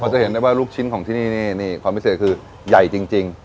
จะเห็นได้ว่าลูกชิ้นของที่นี่นี่ความพิเศษคือใหญ่จริง